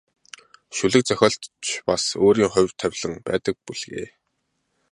Шүлэг зохиолд ч бас өөрийн хувь тавилан байдаг бүлгээ.